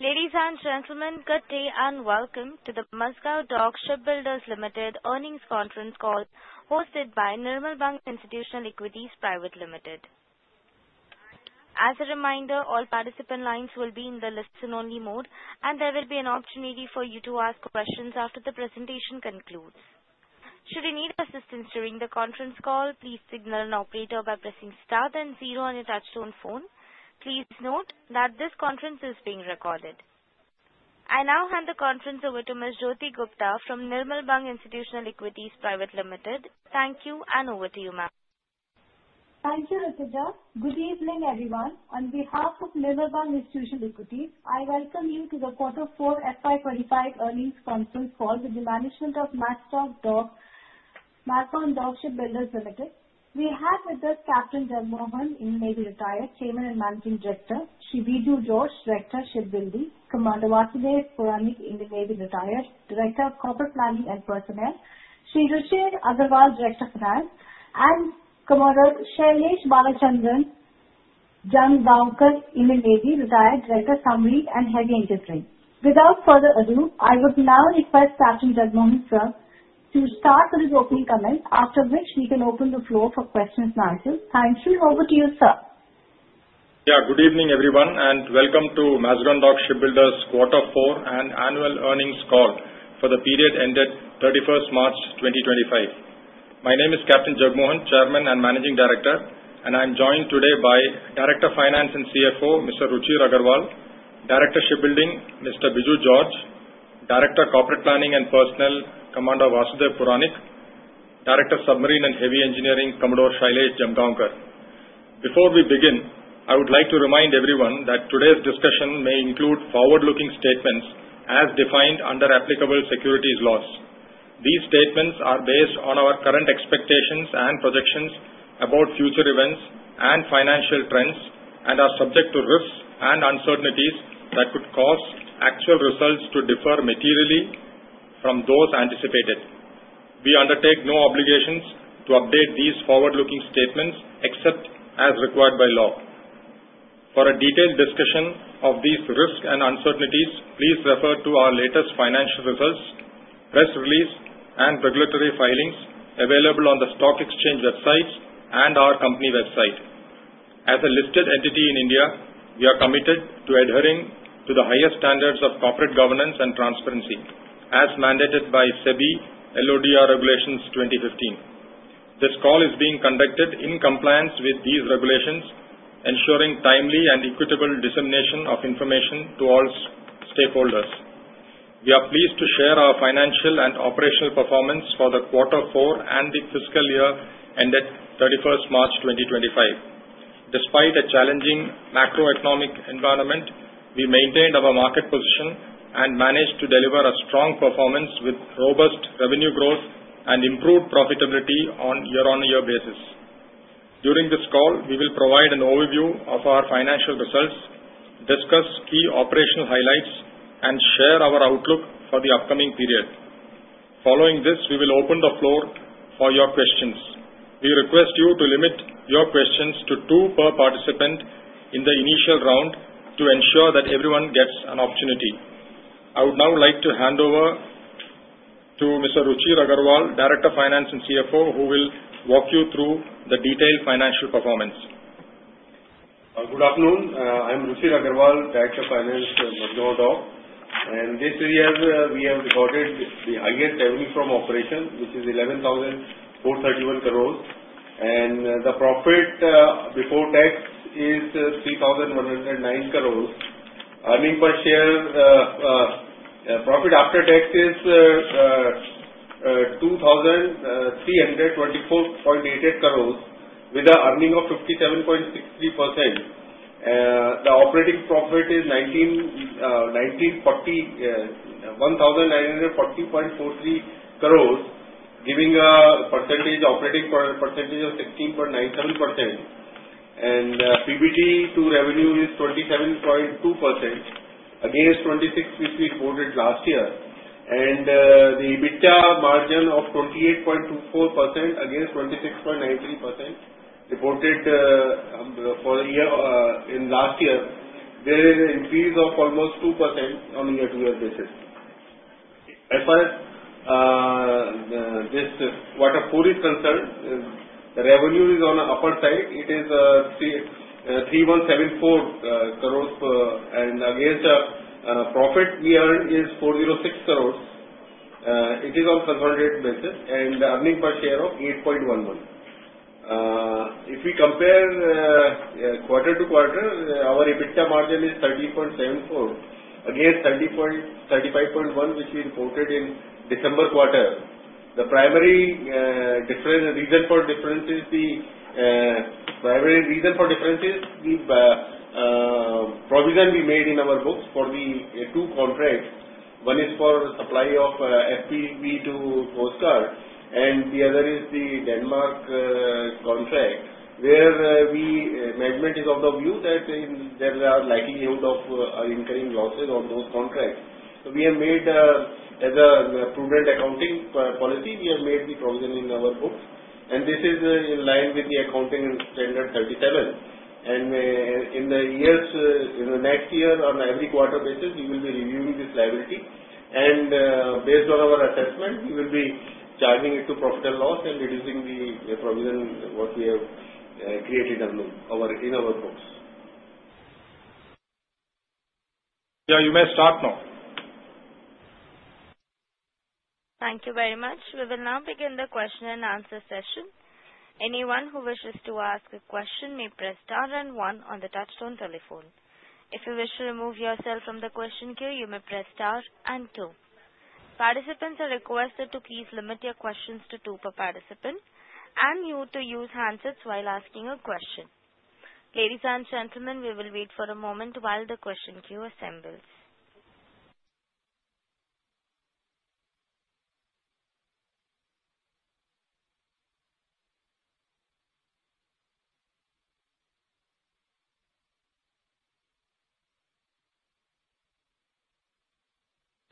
Ladies and gentlemen, good day and welcome to the Mazagon Dock Shipbuilders Limited earnings conference call hosted by Nirmal Bang Institutional Equities Private Limited. As a reminder, all participant lines will be in the listen-only mode, and there will be an opportunity for you to ask questions after the presentation concludes. Should you need assistance during the conference call, please signal an operator by pressing star and zero on your touch-tone phone. Please note that this conference is being recorded. I now hand the conference over to Ms. Jyoti Gupta from Nirmal Bang Institutional Equities Private Limited. Thank you, and over to you, ma'am. Thank you, Ritija. Good evening, everyone. On behalf of Nirmal Bang Institutional Equities, I welcome you to the quarter four FY25 earnings conference call with the management of Mazagon Dock Shipbuilders Limited. We have with us Uncertain, Indian Navy retired, Chairman and Managing Director, Biju George, Director of Shipbuilding, Commander Vasudev Puranik, Indian Navy retired, Director of Corporate Planning and Personnel, Ruchir Agrawal, Director of Finance, and Commodore Shailesh Bhalachandra Jamgaonkar, Indian Navy retired, Director of Submarine and Heavy Engineering. Without further ado, I would now request Uncertain, sir, to start with his opening comments, after which we can open the floor for questions and answers. Thank you. Over to you, sir. Yeah, good evening, everyone, and welcome to Mazagon Dock Shipbuilders quarter four and annual earnings call for the period ended 31st March 2025. My name is Captain Gerald Maugham, Chairman and Managing Director, and I'm joined today by Director of Finance and CFO, Mr. Ruchir Agrawal, Director of Shipbuilding, Mr. Biju George, Director of Corporate Planning and Personnel, Commander Vasudev Puranik, Director of Submarine and Heavy Engineering, Commodore Shailesh Bhalachandra Jamgaonkar. Before we begin, I would like to remind everyone that today's discussion may include forward-looking statements as defined under applicable securities laws. These statements are based on our current expectations and projections about future events and financial trends, and are subject to risks and uncertainties that could cause actual results to differ materially from those anticipated. We undertake no obligations to update these forward-looking statements except as required by law. For a detailed discussion of these risks and uncertainties, please refer to our latest financial results, press release, and regulatory filings available on the stock exchange websites and our company website. As a listed entity in India, we are committed to adhering to the highest standards of corporate governance and transparency, as mandated by SEBI LODR Regulations 2015. This call is being conducted in compliance with these regulations, ensuring timely and equitable dissemination of information to all stakeholders. We are pleased to share our financial and operational performance for the quarter four and the fiscal year ended 31st March 2025. Despite a challenging macroeconomic environment, we maintained our market position and managed to deliver a strong performance with robust revenue growth and improved profitability on a year-on-year basis. During this call, we will provide an overview of our financial results, discuss key operational highlights, and share our outlook for the upcoming period. Following this, we will open the floor for your questions. We request you to limit your questions to two per participant in the initial round to ensure that everyone gets an opportunity. I would now like to hand over to Mr. Ruchir Agrawal, Director of Finance and CFO, who will walk you through the detailed financial performance. Good afternoon. I'm Ruchir Agrawal, Director of Finance at Mazagon Dock. In this year, we have recorded the highest revenue from operations, which is 11,431 crores, and the profit before tax is 3,109 crores. Earnings per share profit after tax is 2,324.88 crores, with an earning of 57.63%. The operating profit is 1,940.43 crores, giving a percentage operating percentage of 16.97%, and PBT to revenue is 27.2%, against 26% which we reported last year, and the EBITDA margin of 28.24%, against 26.93% reported for last year, there is an increase of almost 2% on a year-to-year basis. As far as this quarter four is concerned, the revenue is on the upper side. It is 3,174 crores, and against the profit we earned is 406 crores. It is on a consolidated basis, and the earning per share is 8.11. If we compare quarter to quarter, our EBITDA margin is 30.74% against 35.1% which we reported in December quarter. The primary reason for difference is the provision we made in our books for the two contracts. One is for supply of FPV to Coast Guard, and the other is the Denmark contract, where management is of the view that there is a likelihood of incurring losses on those contracts. We have made, as a prudent accounting policy, the provision in our books, and this is in line with the accounting standard 37. In the next year, on an every quarter basis, we will be reviewing this liability, and based on our assessment, we will be charging it to profit and loss and reducing the provision what we have created in our books. Yeah, you may start now. Thank you very much. We will now begin the question and answer session. Anyone who wishes to ask a question may press star and one on the touch-tone telephone. If you wish to remove yourself from the question queue, you may press star and two. Participants are requested to please limit your questions to two per participant, and you to use handsets while asking a question. Ladies and gentlemen, we will wait for a moment while the question queue assembles.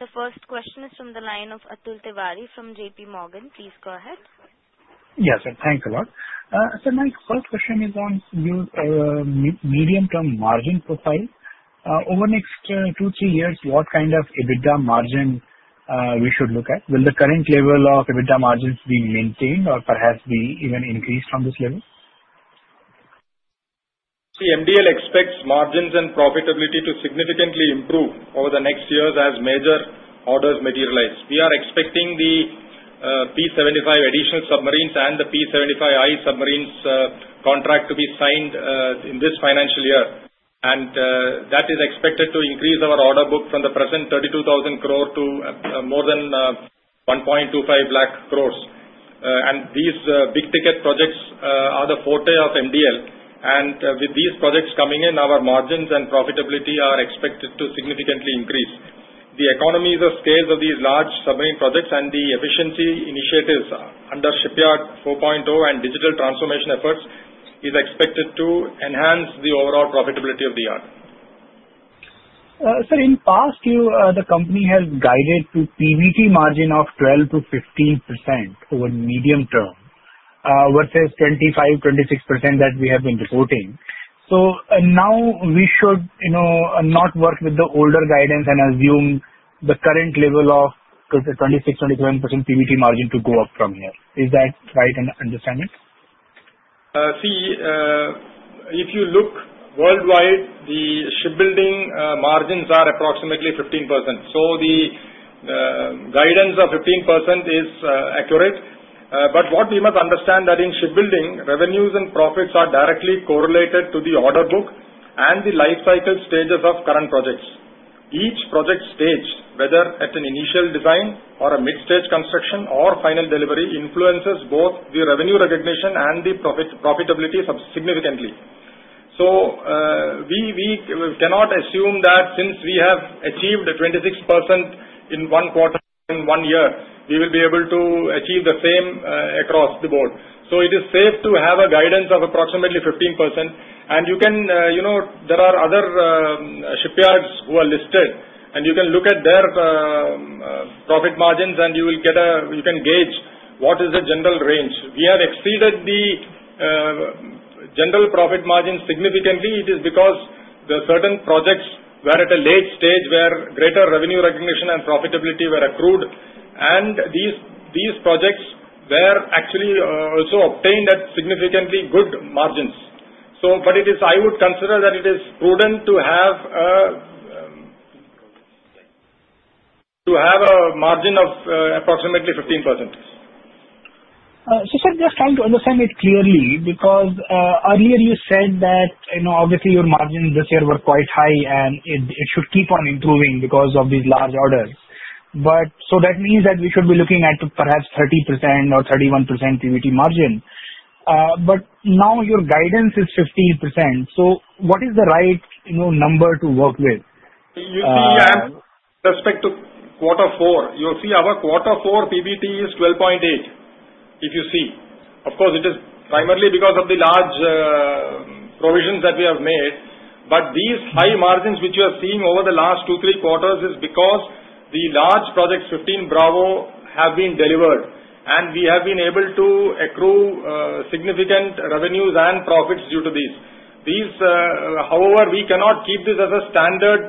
The first question is from the line of Atul Tiwari from J.P. Morgan. Please go ahead. Yes, sir. Thanks a lot. So my first question is on medium-term margin profile. Over the next two, three years, what kind of EBITDA margin we should look at? Will the current level of EBITDA margins be maintained or perhaps be even increased from this level? See, MDL expects margins and profitability to significantly improve over the next years as major orders materialize. We are expecting the P-75 additional submarines and the P-75I submarines contract to be signed in this financial year, and that is expected to increase our order book from the present 32,000 crore to more than 1.25 lakh crores. These big-ticket projects are the forte of MDL, and with these projects coming in, our margins and profitability are expected to significantly increase. The economies of scale of these large submarine projects and the efficiency initiatives under Shipyard 4.0 and digital transformation efforts is expected to enhance the overall profitability of the yard. Sir, in the past year, the company has guided to PBT margin of 12%-15% over medium term versus 25%, 26% that we have been reporting. So now we should not work with the older guidance and assume the current level of 26%, 27% PBT margin to go up from here. Is that right and understanding? See, if you look worldwide, the shipbuilding margins are approximately 15%. So the guidance of 15% is accurate, but what we must understand is that in shipbuilding, revenues and profits are directly correlated to the order book and the life cycle stages of current projects. Each project stage, whether at an initial design or a mid-stage construction or final delivery, influences both the revenue recognition and the profitability significantly. So we cannot assume that since we have achieved 26% in one quarter in one year, we will be able to achieve the same across the board. So it is safe to have a guidance of approximately 15%, and you can. There are other shipyards who are listed, and you can look at their profit margins, and you will get a. You can gauge what is the general range. We have exceeded the general profit margin significantly. It is because the certain projects were at a late stage where greater revenue recognition and profitability were accrued, and these projects were actually also obtained at significantly good margins. So, but it is. I would consider that it is prudent to have a margin of approximately 15%. So, sir, just trying to understand it clearly because earlier you said that obviously your margins this year were quite high, and it should keep on improving because of these large orders. But so that means that we should be looking at perhaps 30% or 31% PBT margin. But now your guidance is 15%. So what is the right number to work with? You see, with respect to quarter four, you'll see our quarter four PBT is 12.8, if you see. Of course, it is primarily because of the large provisions that we have made, but these high margins which you are seeing over the last two, three quarters is because the large projects, 15 Bravo, have been delivered, and we have been able to accrue significant revenues and profits due to these. However, we cannot keep this as a standard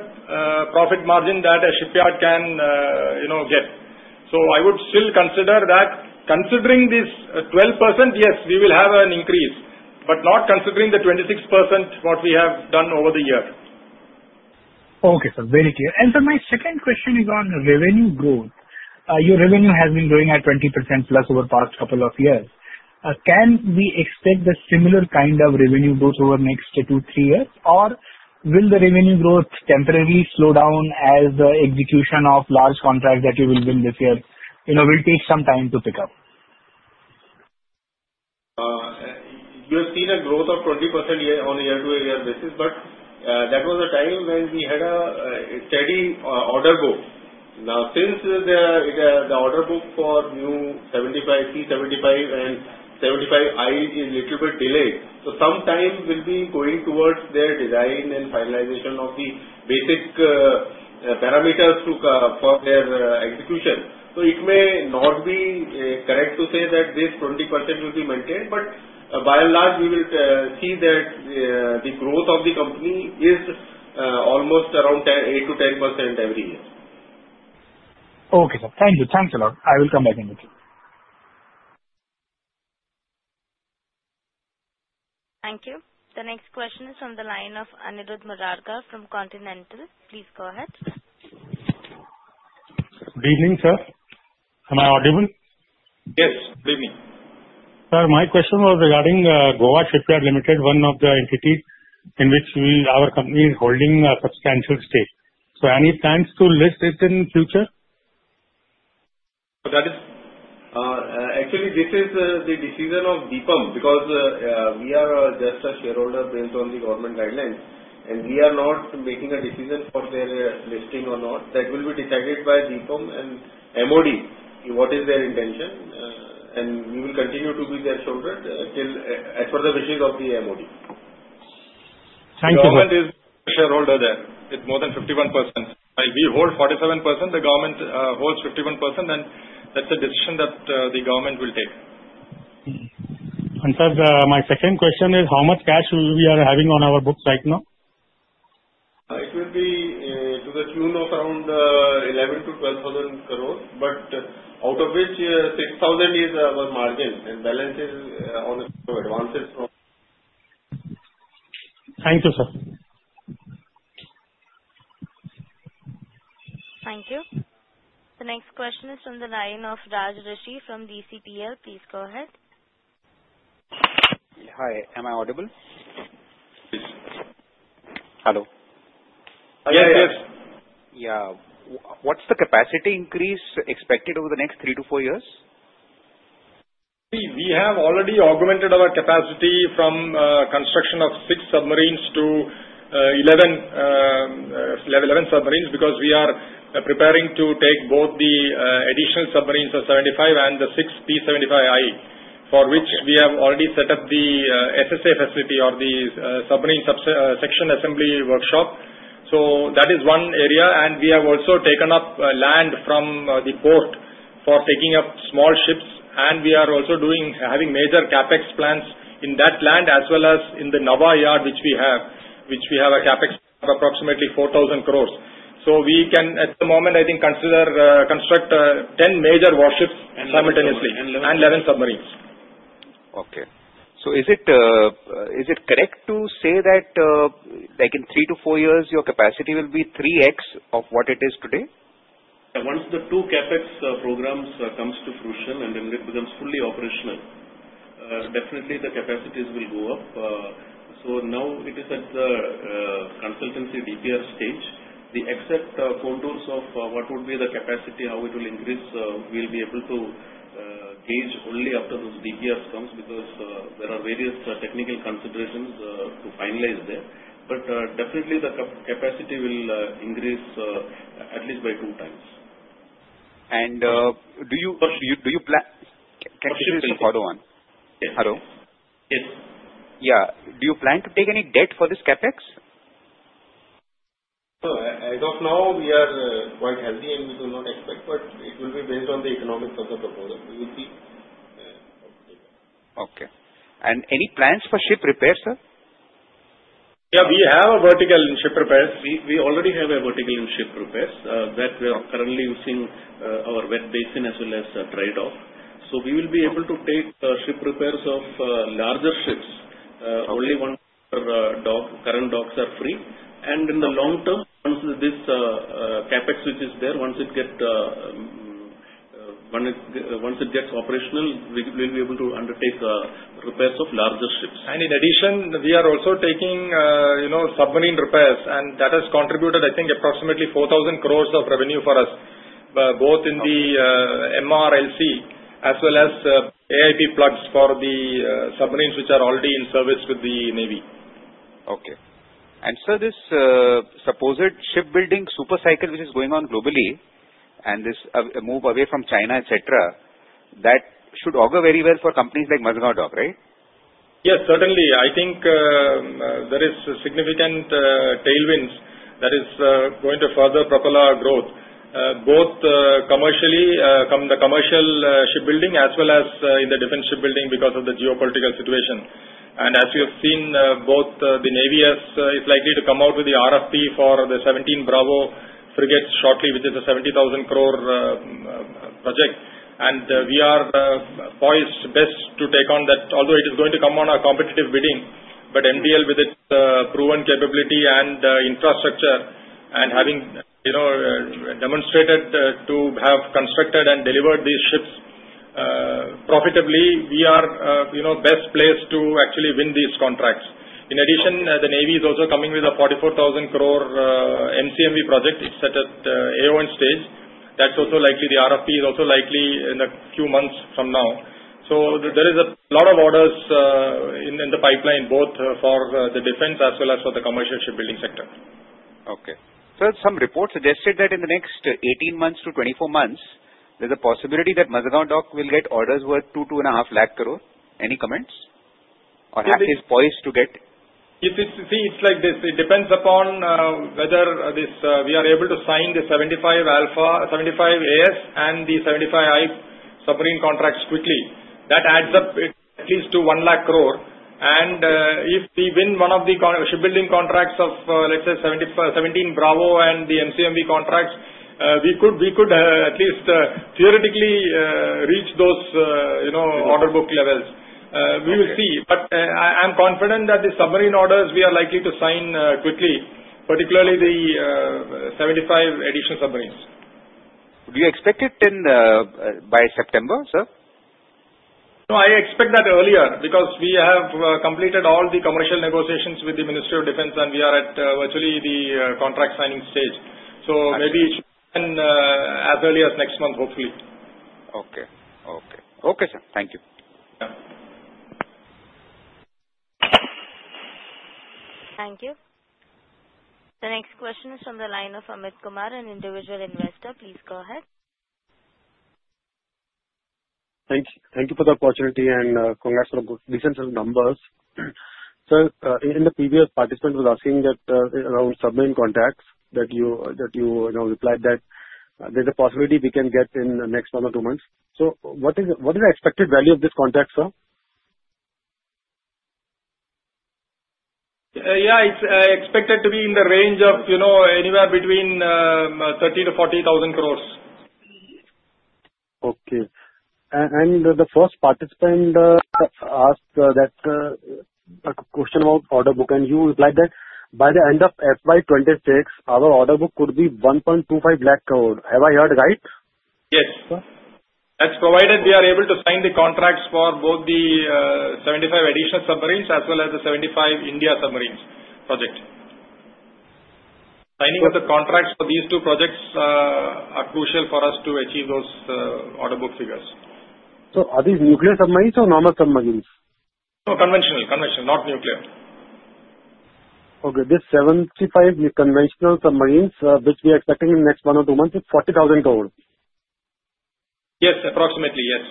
profit margin that a shipyard can get. So I would still consider that. Considering this 12%, yes, we will have an increase, but not considering the 26% what we have done over the year. Okay, sir. Very clear. And sir, my second question is on revenue growth. Your revenue has been growing at 20% plus over the past couple of years. Can we expect a similar kind of revenue growth over the next two, three years, or will the revenue growth temporarily slow down as the execution of large contracts that you will win this year will take some time to pick up? You have seen a growth of 20% on a year-to-year basis, but that was a time when we had a steady order book. Now, since the order book for new 75C, 75, and 75I is a little bit delayed, so some time will be going towards their design and finalization of the basic parameters for their execution. So it may not be correct to say that this 20% will be maintained, but by and large, we will see that the growth of the company is almost around 8% to 10% every year. Okay, sir. Thank you. Thank you a lot. I will come back and get you. Thank you. The next question is from the line of Aniruddha Madharkar from Continental. Please go ahead. Good evening, sir. Am I audible? Yes, good evening. Sir, my question was regarding Goa Shipyard Limited, one of the entities in which our company is holding a substantial stake. So any plans to list it in the future? Actually, this is the decision of DIPAM because we are just a shareholder based on the government guidelines, and we are not making a decision for their listing or not. That will be decided by DIPAM and MOD what is their intention, and we will continue to be their shareholder as per the wishes of the MOD. Thank you. So that is shareholder there with more than 51%. We hold 47%, the government holds 51%, and that's the decision that the government will take. Sir, my second question is how much cash we are having on our books right now? It will be to the tune of around 11,000-12,000 crores, but out of which 6,000 is our margin, and balance is on. So advances from. Thank you, sir. Thank you. The next question is from the line of Raj Rishi from DCPL. Please go ahead. Hi. Am I audible? Yes. Hello. Yes, yes. Yeah. What's the capacity increase expected over the next three to four years? See, we have already augmented our capacity from construction of six submarines to 11 submarines because we are preparing to take both the additional submarines of 75 and the six P-75I, for which we have already set up the SSAW facility or the submarine section assembly workshop. So that is one area, and we have also taken up land from the port for taking up small ships, and we are also having major CAPEX plans in that land as well as in the Nhava yard which we have, which we have a CAPEX of approximately 4,000 crores. So we can, at the moment, I think, consider constructing 10 major warships simultaneously and 11 submarines. Okay, so is it correct to say that in three-to-four years, your capacity will be 3x of what it is today? Once the two CapEx programs come to fruition and it becomes fully operational, definitely the capacities will go up, so now it is at the consultancy DPR stage. The exact contours of what would be the capacity, how it will increase, we'll be able to gauge only after those DPRs come because there are various technical considerations to finalize there, but definitely, the capacity will increase at least by two times. Do you plan, can you say this is a follow-on? Yes. Hello? Yes. Yeah. Do you plan to take any debt for this CAPEX? As of now, we are quite healthy, and we do not expect, but it will be based on the economics of the proposal. We will see. Okay. And any plans for ship repairs, sir? Yeah, we have a vertical in ship repairs. We already have a vertical in ship repairs that we are currently using our wet basin as well as dry dock. So we will be able to take ship repairs of larger ships. Only one per dock. Current docks are free. And in the long term, once this CapEx, which is there, once it gets operational, we will be able to undertake repairs of larger ships. And in addition, we are also taking submarine repairs, and that has contributed, I think, approximately 4,000 crores of revenue for us, both in the MRLC as well as AIP plugs for the submarines which are already in service with the Navy. Okay, and sir, this supposed shipbuilding super cycle which is going on globally and this move away from China, etc., that should augur very well for companies like Mazagon Dock, right? Yes, certainly. I think there are significant tailwinds that are going to further propel our growth, both commercially from the commercial shipbuilding as well as in the defense shipbuilding because of the geopolitical situation. And as we have seen, both the Navy is likely to come out with the RFP for the 17 Bravo frigates shortly, which is a 70,000 crore project. And we are poised best to take on that, although it is going to come on a competitive bidding. But MDL, with its proven capability and infrastructure and having demonstrated to have constructed and delivered these ships profitably, we are the best place to actually win these contracts. In addition, the Navy is also coming with a 44,000 crore MCMV project. It's at an AoN stage. That's also likely. The RFP is also likely in a few months from now. There are a lot of orders in the pipeline, both for the defense as well as for the commercial shipbuilding sector. Okay. Sir, some reports suggested that in the next 18 months to 24 months, there's a possibility that Mazagon Dock will get orders worth 2-2.5 lakh crore. Any comments? Or is it poised to get? See, it's like this. It depends upon whether we are able to sign the 75 Alpha, 75 AS, and the 75I submarine contracts quickly. That adds up at least to 1 lakh crore. And if we win one of the shipbuilding contracts of, let's say, 17 Bravo and the MCMV contracts, we could at least theoretically reach those order book levels. We will see. But I'm confident that the submarine orders we are likely to sign quickly, particularly the 75 additional submarines. Do you expect it by September, sir? No, I expect that earlier because we have completed all the commercial negotiations with the Ministry of Defence, and we are at virtually the contract signing stage. So maybe it should happen as early as next month, hopefully. Okay, sir. Thank you. Thank you. The next question is from the line of. Please go ahead. Thank you for the opportunity and congrats for the decent numbers. Sir, in the previous, participant was asking around submarine contracts that you replied that there's a possibility we can get in the next one or two months. So what is the expected value of this contract, sir? Yeah, it's expected to be in the range of anywhere between 300-400 billion. Okay. And the first participant asked a question about order book, and you replied that by the end of FY 26, our order book could be 1.25 lakh crore. Have I heard right? Yes. Sir. That's provided we are able to sign the contracts for both the 75 additional submarines as well as the 75 India submarines project. Signing of the contracts for these two projects is crucial for us to achieve those order book figures. So are these nuclear submarines or normal submarines? Conventional. Not nuclear. Okay. This P-75 conventional submarines, which we are expecting in the next one or two months, is 40,000 crore. Yes. Approximately. Yes.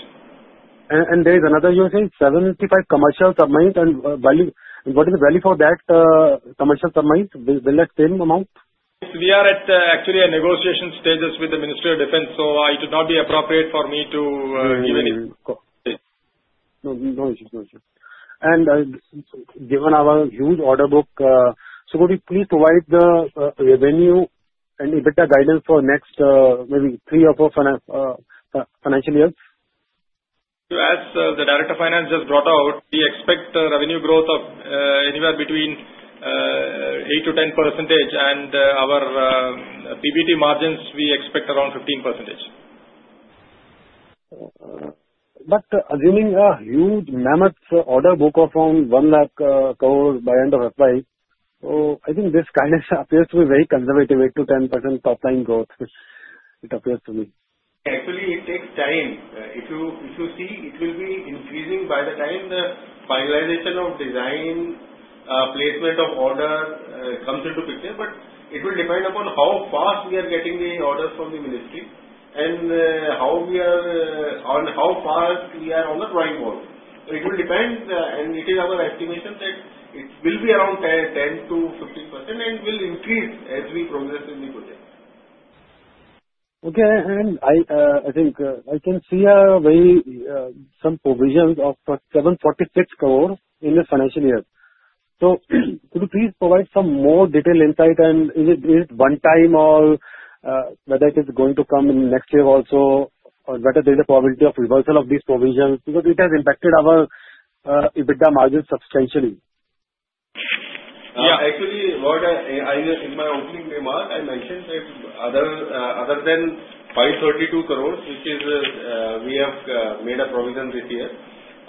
There is another, you're saying, 75 commercial submarines, and what is the value for that commercial submarines? Will that same amount? We are actually at a negotiation stage with the Ministry of Defence, so it would not be appropriate for me to give any quote. No issue. No issue. And given our huge order book, so could you please provide the revenue and a bit of guidance for next maybe three or four financial years? As the Director of Finance just brought out, we expect revenue growth of anywhere between 8% to 10%, and our PBT margins, we expect around 15%. But assuming a huge mammoth order book of around 1 lakh crore by the end of FY, so I think this kind of appears to be a very conservative 8%-10% top-line growth. It appears to me. Actually, it takes time. If you see, it will be increasing by the time the finalization of design, placement of order comes into the picture, but it will depend upon how fast we are getting the orders from the Ministry and how fast we are on the drawing board. It will depend, and it is our estimation that it will be around 10%-15%, and it will increase as we progress in the project. Okay. And I think I can see some provisions of 746 crores in the financial year. So could you please provide some more detailed insight, and is it one time or whether it is going to come next year also, or whether there is a probability of reversal of these provisions because it has impacted our EBITDA margin substantially? Yeah. Actually, all, in my opening remark, I mentioned that other than 532 crores, which we have made a provision this year,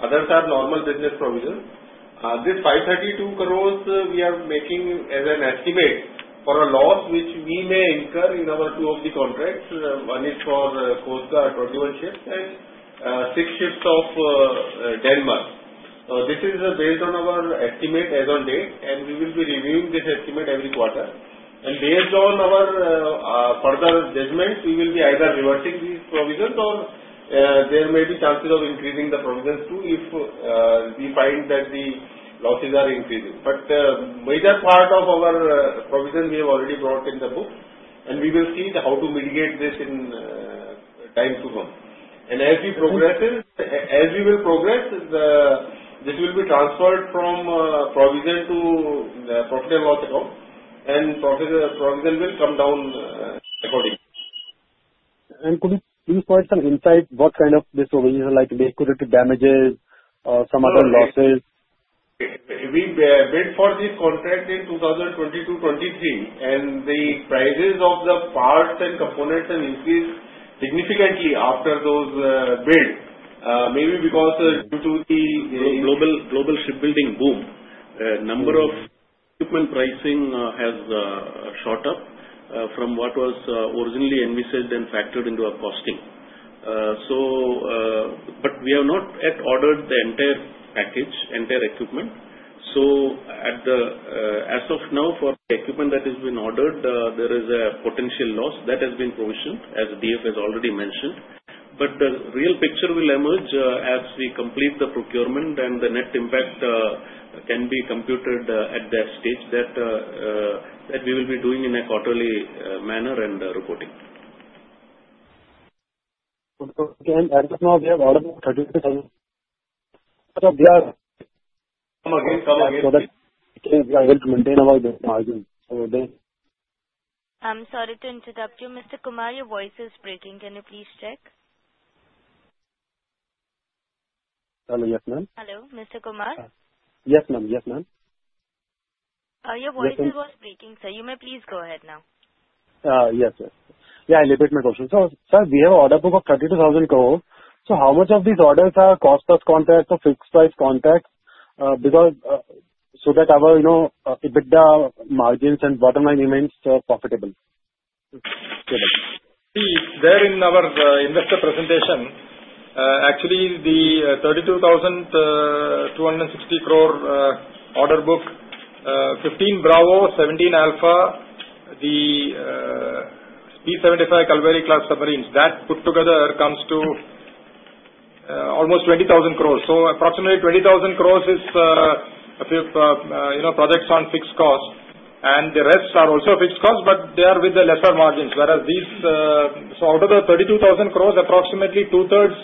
others are normal business provisions. This 532 crores we are making as an estimate for a loss which we may incur in our two of the contracts. One is for Coast Guard 21 ships and six ships of Denmark. This is based on our estimate as of date, and we will be reviewing this estimate every quarter. And based on our further judgment, we will be either reversing these provisions or there may be chances of increasing the provisions too if we find that the losses are increasing. But the major part of our provision we have already brought in the book, and we will see how to mitigate this in time to come. As we progress, this will be transferred from provision to profit and loss account, and provision will come down accordingly. Could you please provide some insight what kind of these provisions are like, the accrued damages, some other losses? We bid for this contract in 2022-2023, and the prices of the parts and components have increased significantly after those bids, maybe because due to the global shipbuilding boom, the number of shipment pricing has shot up from what was originally envisaged and factored into our costing. But we have not yet ordered the entire package, entire equipment. So as of now, for the equipment that has been ordered, there is a potential loss that has been provisioned, as DF has already mentioned. But the real picture will emerge as we complete the procurement, and the net impact can be computed at that stage that we will be doing in a quarterly manner and reporting. Okay. And as of now, we have ordered 33,000. Sir, we are. Come again. Come again. So that we are able to maintain our margin. So then. I'm sorry to interrupt you. Mr. Kumar, your voice is breaking. Can you please check? Hello. Yes, ma'am. Hello. Mr. Kumar? Yes, ma'am. Yes, ma'am. Your voice was breaking, sir. You may please go ahead now. Yes, sir. Yeah, I'll repeat my question. So sir, we have an order book of 32,000 crores. So how much of these orders are cost-plus contracts or fixed-price contracts so that our EBITDA margins and bottom-line remains profitable? See, there in our investor presentation, actually, the 32,260 crore order book, 15 Bravo, 17 Alpha, the P-75 Kalvari-class submarines, that put together comes to almost 20,000 crores. Approximately 20,000 crores is a few projects on fixed cost. The rest are also fixed costs, but they are with the lesser margins. Whereas these, out of the 32,000 crores, approximately two-thirds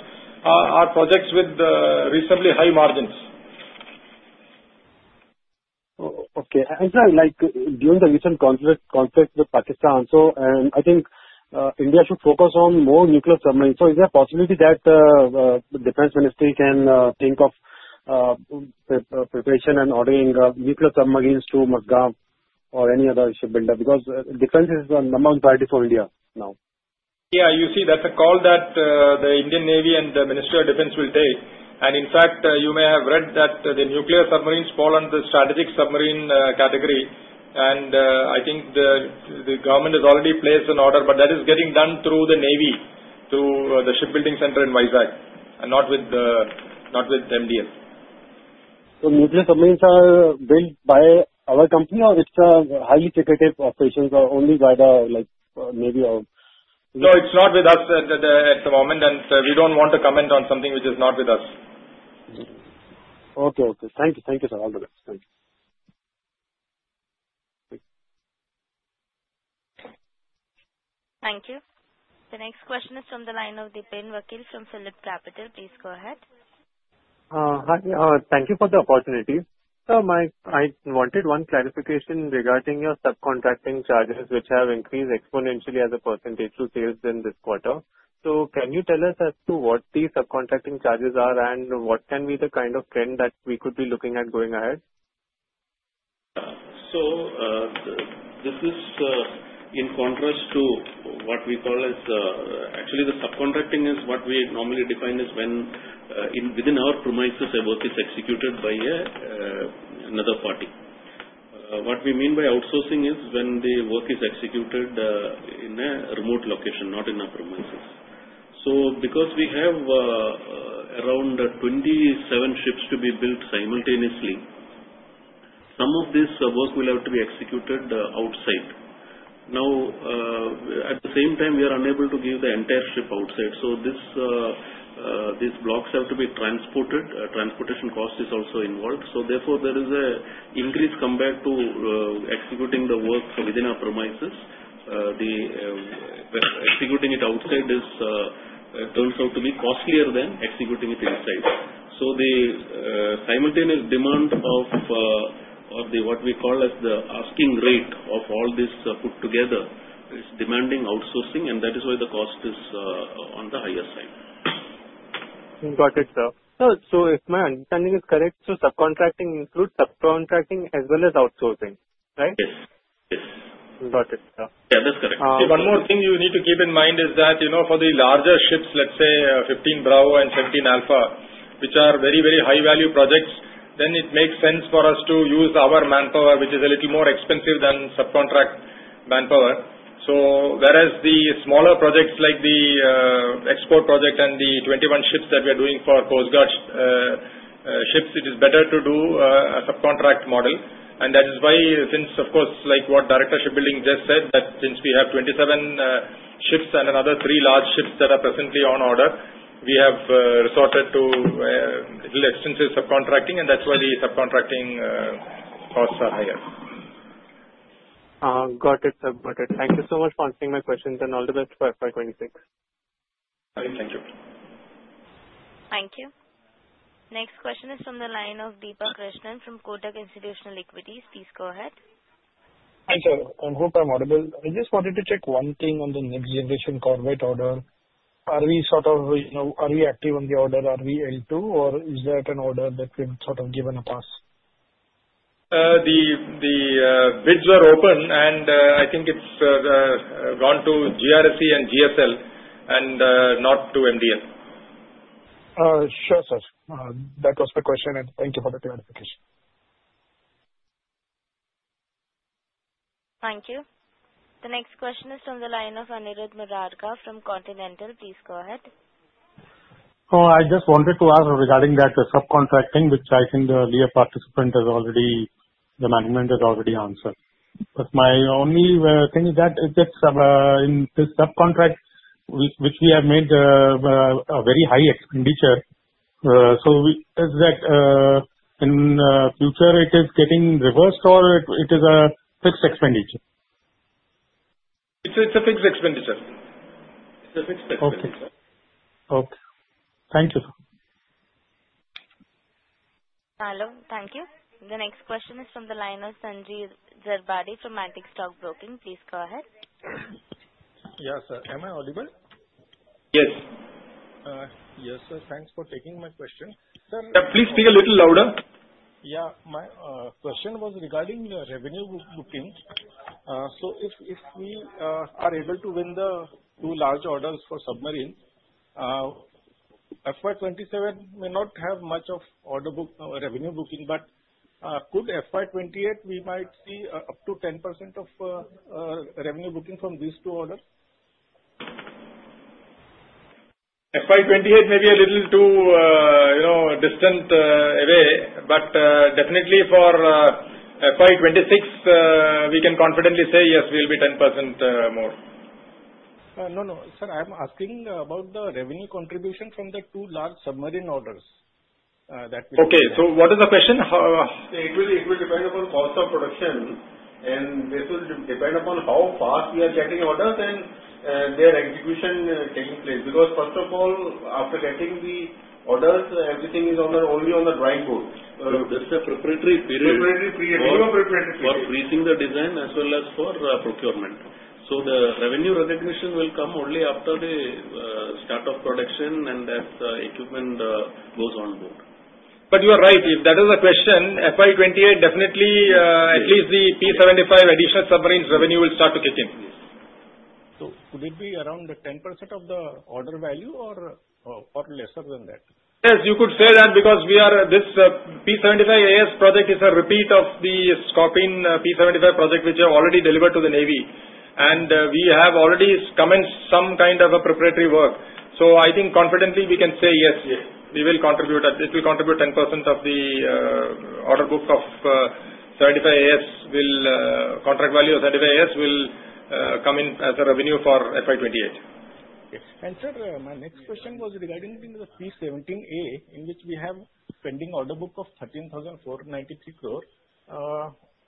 are projects with reasonably high margins. Okay. And sir, during the recent conflict with Pakistan, and I think India should focus on more nuclear submarines. So is there a possibility that the Defense Ministry can think of preparation and ordering nuclear submarines to Mazagon or any other shipbuilder because defense is the number one priority for India now? Yeah. You see, that's a call that the Indian Navy and the Ministry of Defence will take. And in fact, you may have read that the nuclear submarines fall under the strategic submarine category. And I think the government has already placed an order, but that is getting done through the Navy, through the shipbuilding center in Visakhapatnam, and not with MDL. Nuclear submarines are built by our company, or it's a highly secretive operation only by the Navy? No, it's not with us at the moment, and we don't want to comment on something which is not with us. Okay. Okay. Thank you. Thank yo u, sir. All the best. Thank you. Thank you. The next question is from the line of Dipen Vakil from PhillipCapital. Please go ahead. Thank you for the opportunity. Sir, I wanted one clarification regarding your subcontracting charges, which have increased exponentially as a percentage through sales in this quarter. So can you tell us as to what these subcontracting charges are, and what can be the kind of trend that we could be looking at going ahead? So this is in contrast to what we call as actually the subcontracting, which is what we normally define as when within our premises a work is executed by another party. What we mean by outsourcing is when the work is executed in a remote location, not in our premises. So because we have around 27 ships to be built simultaneously, some of this work will have to be executed outside. Now, at the same time, we are unable to give the entire ship outside. So these blocks have to be transported. Transportation cost is also involved. So therefore, there is an increased incentive to executing the work within our premises. Executing it outside turns out to be costlier than executing it inside. So the simultaneous demand of what we call as the asking rate of all this put together is demanding outsourcing, and that is why the cost is on the higher side. Got it, sir. So if my understanding is correct, so subcontracting includes subcontracting as well as outsourcing, right? Yes. Yes. Got it. Yeah, that's correct. One more thing you need to keep in mind is that for the larger ships, let's say 15 Bravo and 17 Alpha, which are very, very high-value projects, then it makes sense for us to use our manpower, which is a little more expensive than subcontract manpower. So whereas the smaller projects like the export project and the 21 ships that we are doing for Coast Guard ships, it is better to do a subcontract model. And that is why, since, of course, like what Director Shipbuilding just said, that since we have 27 ships and another three large ships that are presently on order, we have resorted to extensive subcontracting, and that's why the subcontracting costs are higher. Got it. Got it. Thank you so much for answering my questions, and all the best for FY 26. Thank you. Thank you. Next question is from the line of Deepak Krishnan from Kotak Institutional Equities. Please go ahead. Hi, sir. I'm Hoop from Audible. I just wanted to check one thing on the next generation corvette order. Are we sort of active on the order? Are we able to, or is that an order that we've sort of given a pass? The bids are open, and I think it's gone to GRSE and GSL and not to MDL. Sure, sir. That was the question, and thank you for the clarification. Thank you. The next question is from the line of Aniruddh Madharkar from Continental. Please go ahead. I just wanted to ask regarding that subcontracting, which I think the management has already answered. But my only thing is that in this subcontract, which we have made a very high expenditure, so is that in the future it is getting reversed, or it is a fixed expenditure? It's a fixed expenditure. Okay. Okay. Thank you, sir. Hello. Thank you. The next question is from the line of Sanjeev Zarbade from Antique Stockbroking. Please go ahead. Yes, sir. Am I audible? Yes. Yes, sir. Thanks for taking my question. Sir. Yeah. Please speak a little louder. Yeah. My question was regarding the revenue booking. So if we are able to win the two large orders for submarines, FY 27 may not have much of order book revenue booking, but could FY 28, we might see up to 10% of revenue booking from these two orders? FY 28 may be a little too distant away, but definitely for FY 26, we can confidently say yes, we'll be 10% more. No, no. Sir, I'm asking about the revenue contribution from the two large submarine orders that we. Okay. So what is the question? It will depend upon cost of production, and this will depend upon how fast we are getting orders and their execution taking place. Because first of all, after getting the orders, everything is only on the drawing board. So that's a preparatory period. Preparatory period. For project design as well as for procurement. So the revenue recognition will come only after the start of production and as the equipment goes on board. But you are right. If that is the question, FY 28 definitely, at least the P-75 additional submarines revenue will start to kick in. Could it be around 10% of the order value or lesser than that? Yes, you could say that because this P-75 AS project is a repeat of the Scorpene P-75 project, which have already delivered to the Navy, and we have already commenced some kind of a preparatory work. So I think confidently we can say yes, we will contribute at least we'll contribute 10% of the order book of 75 AS will contract value of 75 AS will come in as a revenue for FY 2028. Yes. And sir, my next question was regarding the P-17A, in which we have pending order book of 13,493 crores.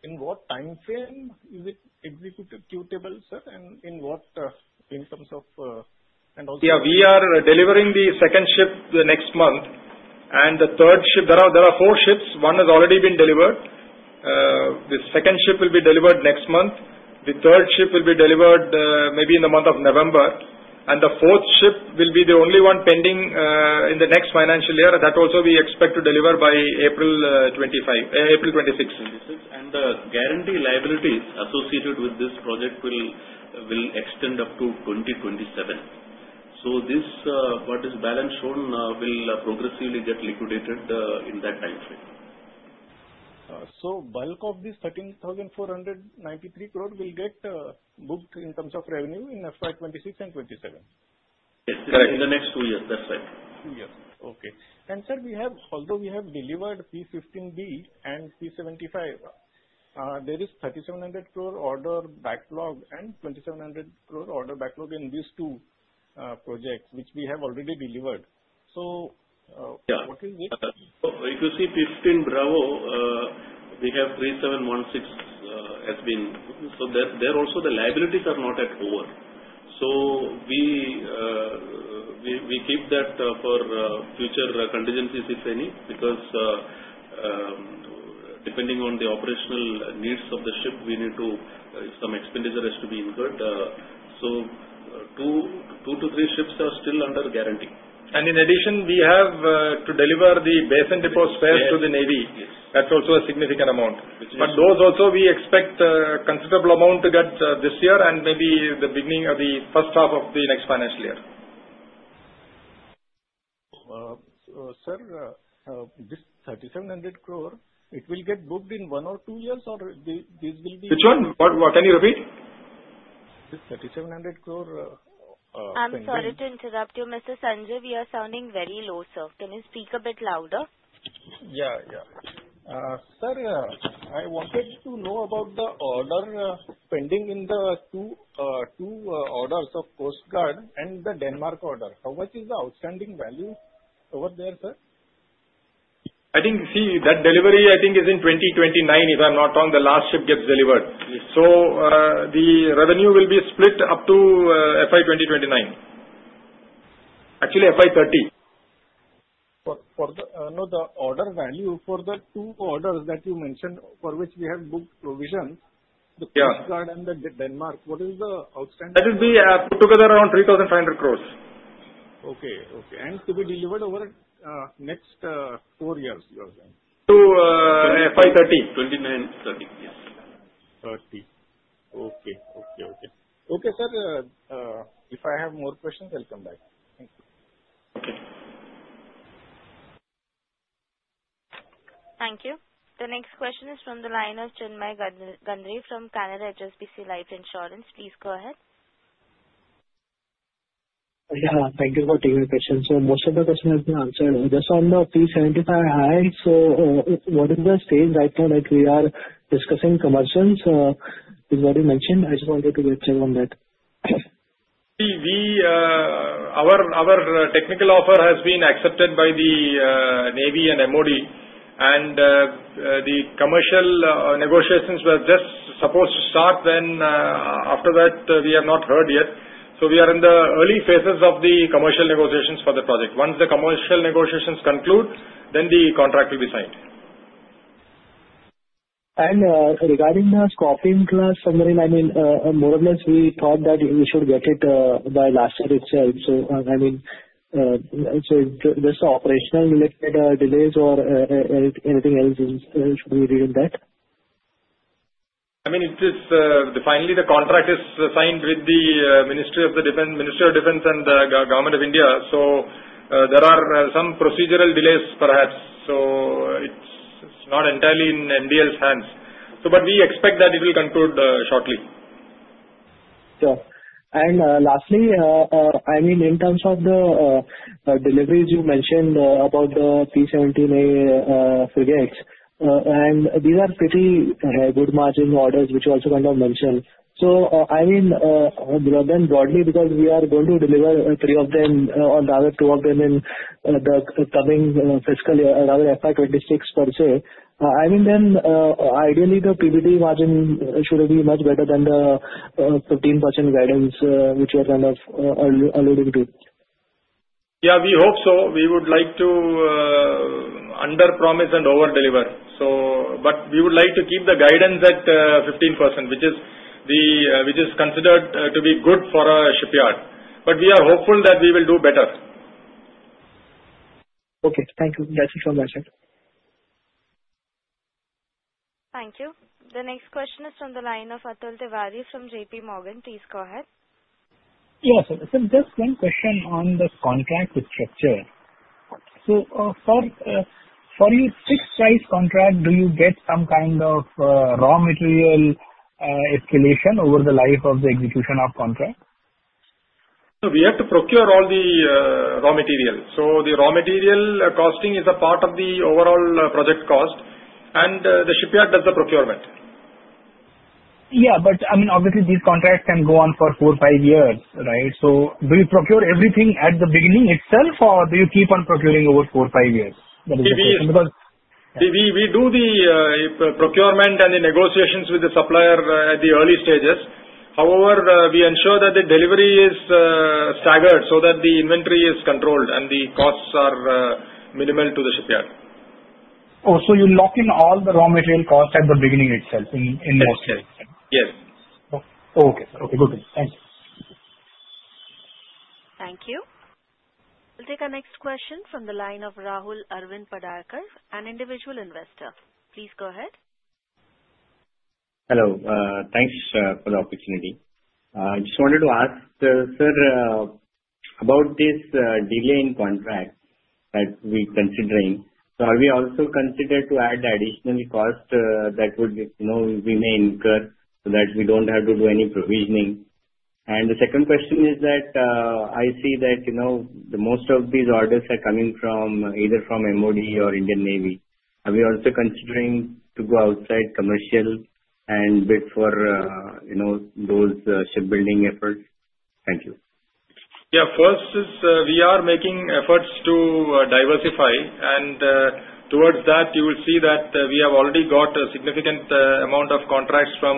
In what time frame is it executed to you, sir, and in what in terms of and also. Yeah. We are delivering the second ship next month, and the third ship. There are four ships. One has already been delivered. The second ship will be delivered next month. The third ship will be delivered maybe in the month of November. And the fourth ship will be the only one pending in the next financial year. That also we expect to deliver by April 2026. The guarantee liabilities associated with this project will extend up to 2027. What is balance shown will progressively get liquidated in that time frame. Bulk of this 13,493 crores will get booked in terms of revenue in FY 26 and 27? Yes. Correct. In the next two years. That's right. Two years. Okay. And sir, although we have delivered P-15B and P-75, there is 3,700 crore order backlog and 2,700 crore order backlog in these two projects, which we have already delivered. So what is it? If you see 15 Bravo, we have ₹3,716 has been. So there also, the liabilities are not at over. So we keep that for future contingencies if any, because depending on the operational needs of the ship, we need to some expenditure has to be incurred. So two to three ships are still under guarantee. And in addition, we have to deliver the base and depot spares to the Navy. That's also a significant amount. But those also, we expect a considerable amount to get this year and maybe the beginning of the first half of the next financial year. Sir, this 3,700 crore, it will get booked in one or two years, or this will be. Which one? Can you repeat? This 3,700 crore. I'm sorry to interrupt you, Mr. Sanjeev. You are sounding very low, sir. Can you speak a bit louder? Yeah. Yeah. Sir, I wanted to know about the order pending in the two orders of Coast Guard and the Denmark order. How much is the outstanding value over there, sir? I think, see, that delivery, I think, is in 2029, if I'm not wrong. The last ship gets delivered. So the revenue will be split up to FY 2029. Actually, FY 30. For the order value for the two orders that you mentioned for which we have booked provisions, the Coast Guard and the Denmark, what is the outstanding? That will be put together around 3,500 crores. Okay. Okay. And to be delivered over next four years, you are saying? To FY 2030. 2029, 2030. Yes. Okay, sir. If I have more questions, I'll come back. Thank you. Okay. Thank you. The next question is from the line of Chinmay Gandre from Canara HSBC Life Insurance. Please go ahead. Yeah. Thank you for taking my question. So most of the questions have been answered. Just on the P-75, so what is the stage right now that we are discussing commercials is what you mentioned? I just wanted to get a check on that. Our technical offer has been accepted by the Navy and MOD, and the commercial negotiations were just supposed to start. Then after that, we have not heard yet. So we are in the early phases of the commercial negotiations for the project. Once the commercial negotiations conclude, then the contract will be signed. Regarding the Scorpene class submarine, I mean, more or less, we thought that we should get it by last year itself. I mean, so just the operational-related delays or anything else, should we be doing that? I mean, finally, the contract is signed with the Ministry of Defence and the Government of India. So there are some procedural delays, perhaps. So it's not entirely in MDL's hands. But we expect that it will conclude shortly. Sure. And lastly, I mean, in terms of the deliveries you mentioned about the P-17A frigates, and these are pretty good margin orders, which you also kind of mentioned. So I mean, then broadly, because we are going to deliver three of them or rather two of them in the coming fiscal year, rather FY 2026 per se, I mean, then ideally, the PBT margin should be much better than the 15% guidance, which you are kind of alluding to. Yeah. We hope so. We would like to underpromise and overdeliver. But we would like to keep the guidance at 15%, which is considered to be good for a shipyard. But we are hopeful that we will do better. Okay. Thank you. Thank you so much, sir. Thank you. The next question is from the line of Atul Tiwari from J.P. Morgan. Please go ahead. Yes, sir. Just one question on the contract structure. So for your fixed-price contract, do you get some kind of raw material escalation over the life of the execution of contract? We have to procure all the raw material. So the raw material costing is a part of the overall project cost, and the shipyard does the procurement. Yeah, but I mean, obviously, these contracts can go on for four, five years, right, so do you procure everything at the beginning itself, or do you keep on procuring over four, five years? That is the question. We do the procurement and the negotiations with the supplier at the early stages. However, we ensure that the delivery is staggered so that the inventory is controlled and the costs are minimal to the shipyard. Oh. So you lock in all the raw material costs at the beginning itself in most cases? Yes. Okay. Okay. Good. Thank you. Thank you. We'll take our next question from the line of Rahul Arvind Padarkar, an individual investor. Please go ahead. Hello. Thanks for the opportunity. I just wanted to ask, sir, about this delay in contract that we're considering. So are we also considered to add additional cost that would remain incurred so that we don't have to do any provisioning? And the second question is that I see that most of these orders are coming either from MOD or Indian Navy. Are we also considering to go outside commercial and bid for those shipbuilding efforts? Thank you. Yeah. First is we are making efforts to diversify. And towards that, you will see that we have already got a significant amount of contracts from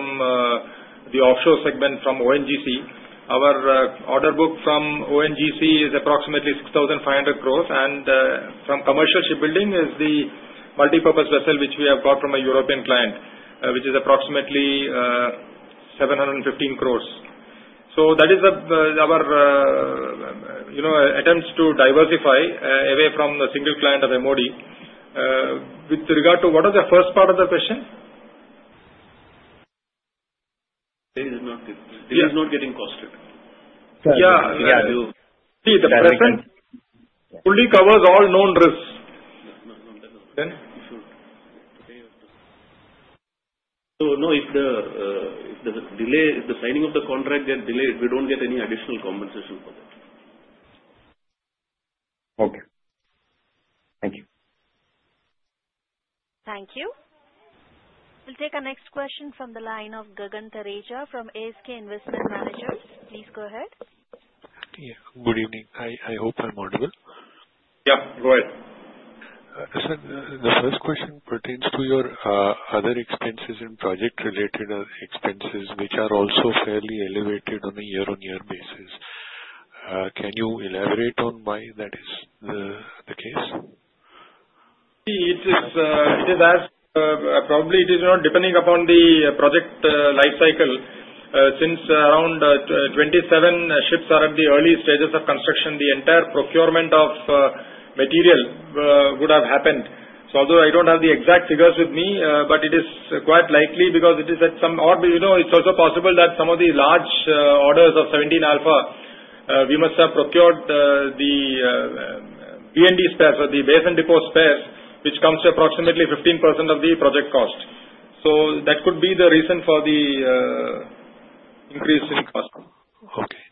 the offshore segment from ONGC. Our order book from ONGC is approximately 6,500 crores. And from commercial shipbuilding is the multi-purpose vessel, which we have got from a European client, which is approximately 715 crores. So that is our attempts to diversify away from the single client of MOD. With regard to what was the first part of the question? It is not getting costed. Yeah. Yeah. See, the present fully covers all known risks. Then if the signing of the contract gets delayed, we don't get any additional compensation for that. Okay. Thank you. Thank you. We'll take our next question from the line of Gagandeep Arora from ASK Investment Managers. Please go ahead. Yeah. Good evening. I hope I'm audible. Yeah. Go ahead. Sir, the first question pertains to your other expenses and project-related expenses, which are also fairly elevated on a year-on-year basis. Can you elaborate on why that is the case? See, it is as probably it is not depending upon the project lifecycle. Since around 27 ships are at the early stages of construction, the entire procurement of material would have happened. So although I don't have the exact figures with me, but it is quite likely because it is at some it's also possible that some of the large orders of 17 Alpha, we must have procured the B&D spares or the B&D spares, which comes to approximately 15% of the project cost. So that could be the reason for the increase in cost. Okay.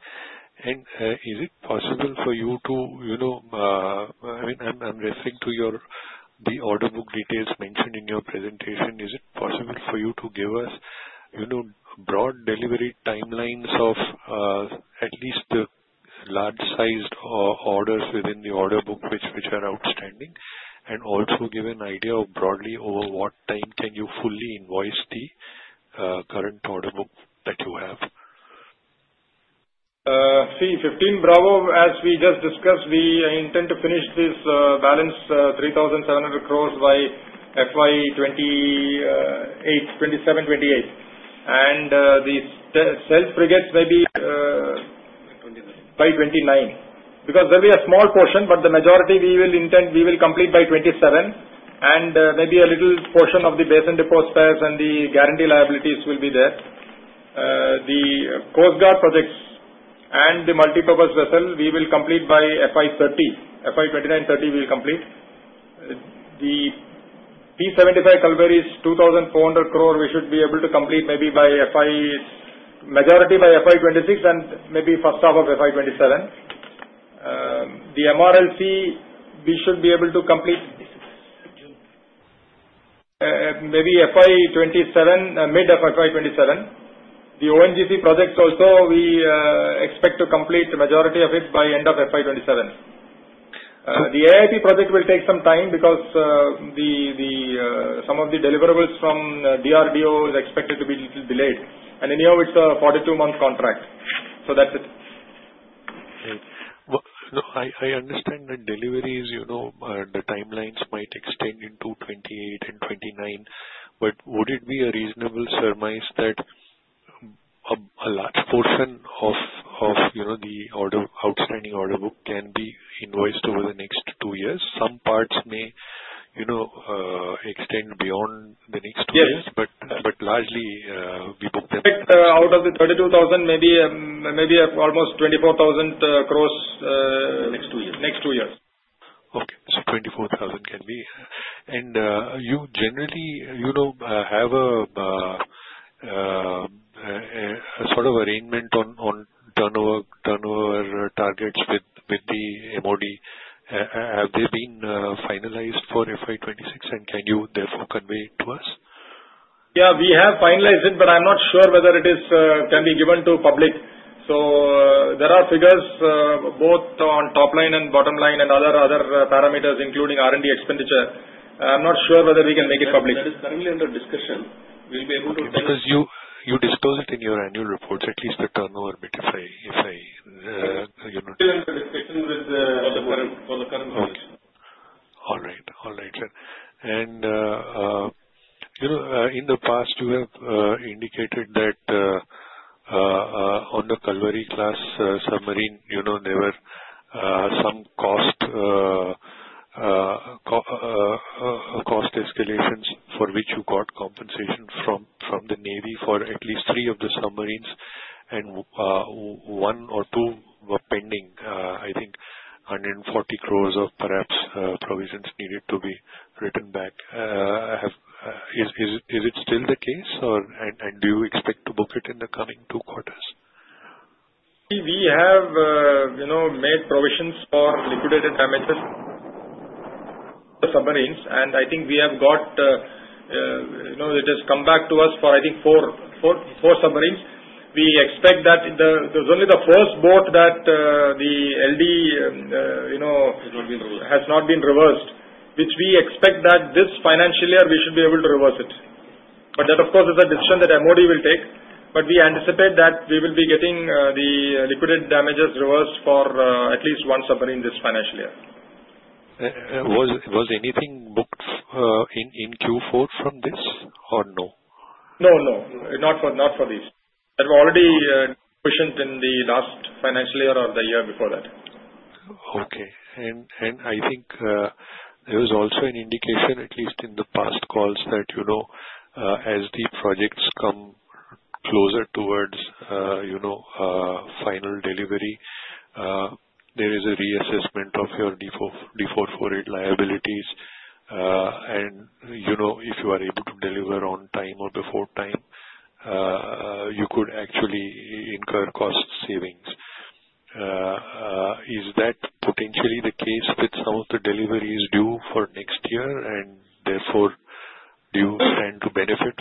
And is it possible for you to—I mean, I'm referring to the order book details mentioned in your presentation. Is it possible for you to give us broad delivery timelines of at least the large-sized orders within the order book which are outstanding and also give an idea of broadly over what time can you fully invoice the current order book that you have? See, 15 Bravo, as we just discussed, we intend to finish this balance, 3,700 crores, by FY 2027-28. The stealth frigates may be by 2029. Because there will be a small portion, but the majority we will complete by 2027. Maybe a little portion of the base and depot spares and the guarantee liabilities will be there. The Coast Guard projects and the multi-purpose vessel, we will complete by FY 2029-30. We will complete. The P-75 Kalvaris, 2,400 crores, we should be able to complete maybe by FY majority by FY 2026 and maybe first half of FY 2027. The MRLC, we should be able to complete maybe FY 2027, mid of FY 2027. The ONGC projects also, we expect to complete the majority of it by end of FY 2027. The AIP project will take some time because some of the deliverables from DRDO is expected to be delayed. And anyhow, it's a 42-month contract. So that's it. Great. I understand that deliveries, the timelines might extend into 2028 and 2029. But would it be a reasonable surmise that a large portion of the outstanding order book can be invoiced over the next two years? Some parts may extend beyond the next two years, but largely, we book them. Out of the 32,000, maybe almost 24,000 crores next two years. Okay. So 24,000 can be. And you generally have a sort of arrangement on turnover targets with the MOD. Have they been finalized for FY 26, and can you therefore convey it to us? Yeah. We have finalized it, but I'm not sure whether it can be given to public. So there are figures both on top line and bottom line and other parameters, including R&D expenditure. I'm not sure whether we can make it public. That is currently under discussion. We'll be able to. Because you disclose it in your annual reports, at least the turnover if, you know. It's still under discussion with the current. All right. All right, sir, and in the past, you have indicated that on the Kalvari-class submarine, there were some cost escalations for which you got compensation from the Navy for at least three of the submarines, and one or two were pending, I think, 140 crores of perhaps provisions needed to be written back. Is it still the case, and do you expect to book it in the coming two quarters? See, we have made provisions for liquidated damages for the submarines. And I think we have got it. It has come back to us for, I think, four submarines. We expect that there's only the first boat that the LD has not been reversed, which we expect that this financial year, we should be able to reverse it. But that, of course, is a decision that MOD will take. But we anticipate that we will be getting the liquidated damages reversed for at least one submarine this financial year. Was anything booked in Q4 from this or no? No, no. Not for these. That were already pushed in the last financial year or the year before that. Okay. And I think there was also an indication, at least in the past calls, that as the projects come closer towards final delivery, there is a reassessment of your D-448 liabilities. And if you are able to deliver on time or before time, you could actually incur cost savings. Is that potentially the case with some of the deliveries due for next year, and therefore, do you plan to benefit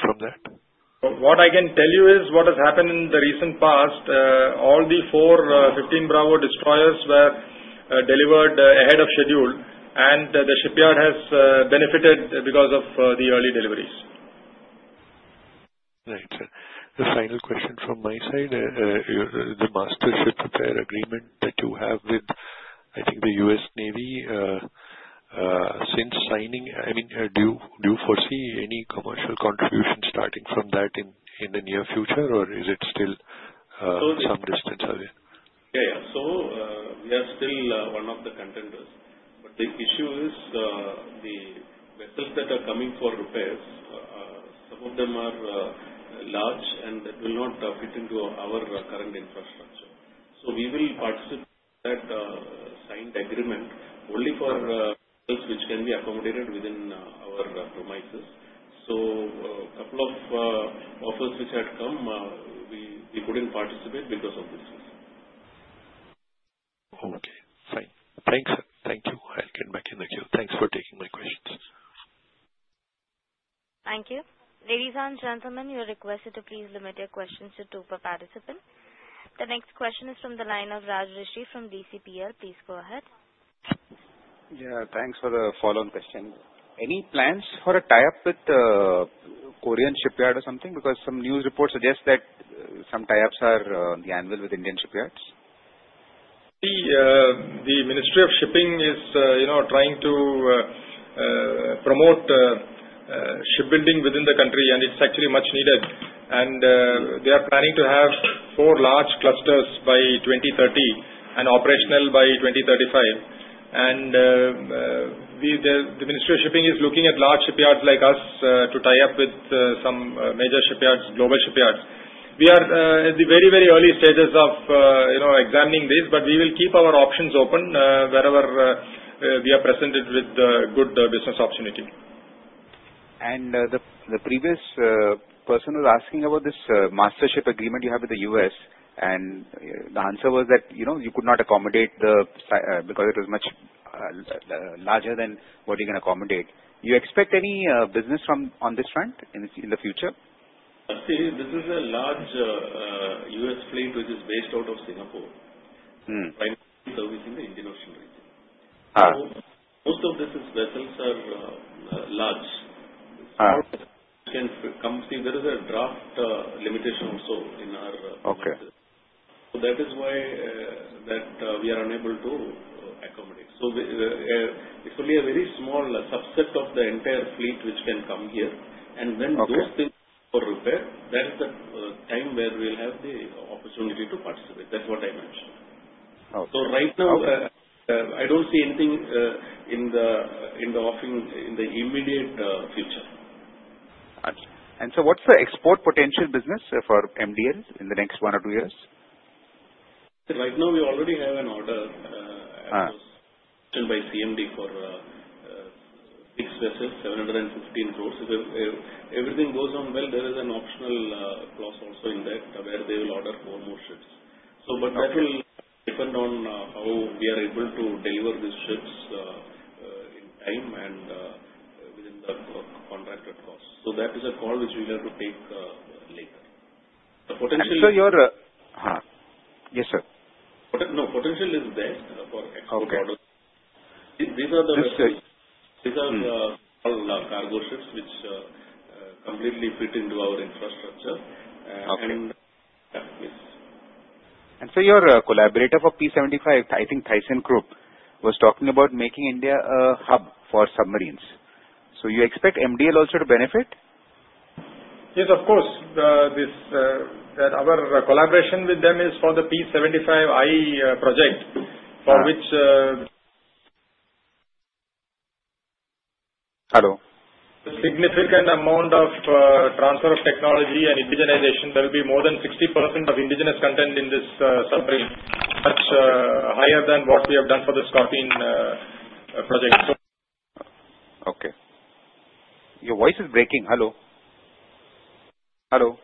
from that? What I can tell you is what has happened in the recent past. All the four 15 Bravo destroyers were delivered ahead of schedule, and the shipyard has benefited because of the early deliveries. Right. The final question from my side. The master ship repair agreement that you have with, I think, the US Navy, since signing, I mean, do you foresee any commercial contribution starting from that in the near future, or is it still some distance away? Yeah. Yeah. So we are still one of the contenders. But the issue is the vessels that are coming for repairs, some of them are large, and that will not fit into our current infrastructure. So we will participate in that signed agreement only for vessels which can be accommodated within our premises. So a couple of offers which had come, we couldn't participate because of this reason. Okay. Fine. Thank you. I'll get back in the queue. Thanks for taking my questions. Thank you. Ladies and gentlemen, you are requested to please limit your questions to two per participant. The next question is from the line of Raj Rishi from DCPL. Please go ahead. Yeah. Thanks for the follow-on question. Any plans for a tie-up with the Korean shipyard or something? Because some news reports suggest that some tie-ups are on the anvil with Indian shipyards. See, the Ministry of Shipping is trying to promote shipbuilding within the country, and it's actually much needed. They are planning to have four large clusters by 2030 and operational by 2035. The Ministry of Shipping is looking at large shipyards like us to tie up with some major shipyards, global shipyards. We are at the very, very early stages of examining this, but we will keep our options open wherever we are presented with a good business opportunity. The previous person was asking about this master ship agreement you have with the U.S., and the answer was that you could not accommodate them because it was much larger than what you can accommodate. Do you expect any business on this front in the future? See, this is a large US fleet which is based out of Singapore, primarily servicing the Indian Ocean region. So most of these vessels are large. So there is a draft limitation also in our vessels. So that is why we are unable to accommodate. So it's only a very small subset of the entire fleet which can come here. And when those things are repaired, that is the time where we'll have the opportunity to participate. That's what I mentioned. So right now, I don't see anything in the immediate future. Gotcha. And so what's the export potential business for MDL in the next one or two years? Right now, we already have an order by CMB for six vessels, 715 crores. If everything goes on well, there is an optional clause also in there where they will order four more ships. But that will depend on how we are able to deliver these ships in time and within the contracted cost. So that is a call which we have to take later. The potential. So you're, yes, sir. No, potential is there for export orders. These are the vessels. These are the cargo ships which completely fit into our infrastructure, and yes. And so your collaborator for P-75, I think ThyssenKrupp, was talking about making India a hub for submarines. So you expect MDL also to benefit? Yes, of course. Our collaboration with them is for the P-75I project, for which. Hello? A significant amount of transfer of technology and indigenization. There will be more than 60% of indigenous content in this submarine, much higher than what we have done for the Scorpene project. Okay. Your voice is breaking. Hello? Hello?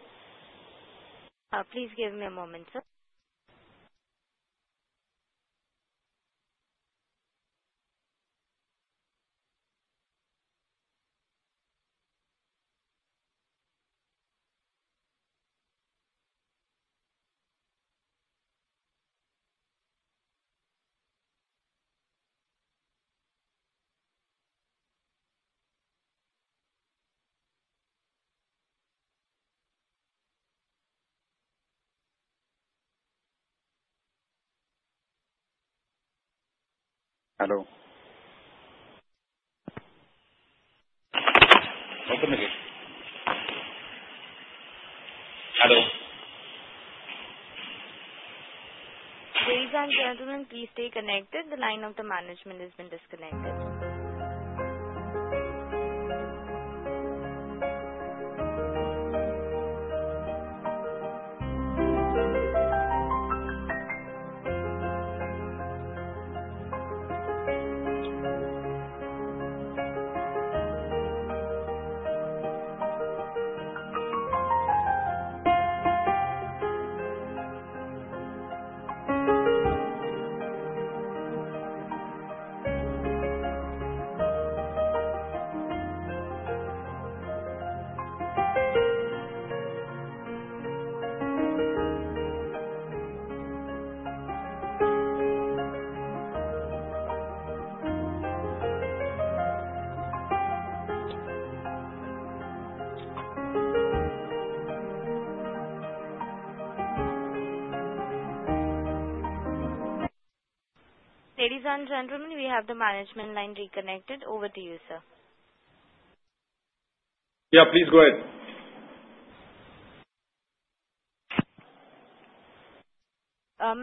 Please give me a moment, sir. Hello? Open again. Hello? Ladies and gentlemen, please stay connected. The line of the management has been disconnected. Ladies and gentlemen, we have the management line reconnected. Over to you, sir. Yeah. Please go ahead.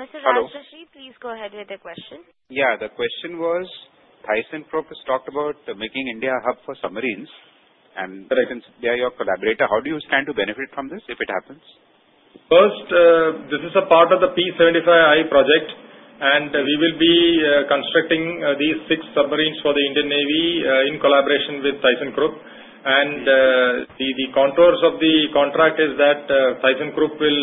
Mr. Raj Rishi, please go ahead with the question. Yeah. The question was ThyssenKrupp has talked about making India a hub for submarines. And I can see they are your collaborator. How do you stand to benefit from this if it happens? First, this is a part of the P-75I project, and we will be constructing these six submarines for the Indian Navy in collaboration with ThyssenKrupp. And the contours of the contract is that ThyssenKrupp will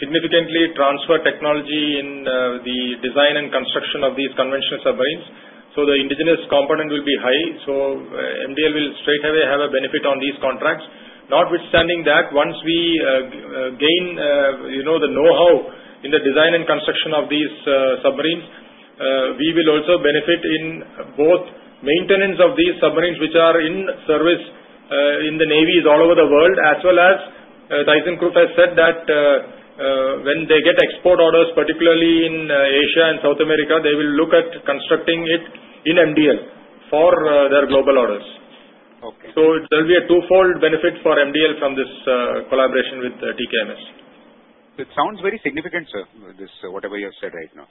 significantly transfer technology in the design and construction of these conventional submarines. So the indigenous component will be high. So MDL will straight away have a benefit on these contracts. Notwithstanding that, once we gain the know-how in the design and construction of these submarines, we will also benefit in both maintenance of these submarines which are in service in the navies all over the world, as well as ThyssenKrupp has said that when they get export orders, particularly in Asia and South America, they will look at constructing it in MDL for their global orders. So there will be a twofold benefit for MDL from this collaboration with TKMS. It sounds very significant, sir, whatever you have said right now.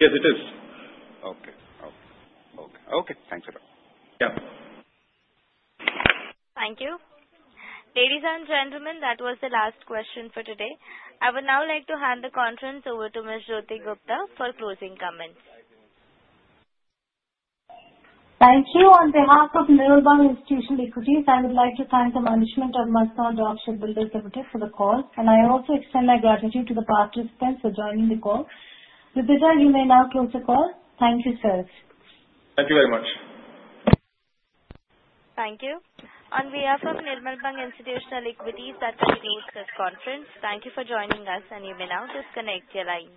Yes, it is. Okay. Okay. Okay. Thanks, sir. Yeah. Thank you. Ladies and gentlemen, that was the last question for today. I would now like to hand the conference over to Ms. Jyoti Gupta for closing comments. Thank you. On behalf of Nirmal Bang Institutional Equities, I would like to thank the management of Mazagon Dock Shipbuilders Limited for the call, and I also extend my gratitude to the participants for joining the call. Ritija, you may now close the call. Thank you, sir. Thank you very much. Thank you. On behalf of Nirmal Bang Institutional Equities, that concludes this conference. Thank you for joining us, and you may now disconnect your line.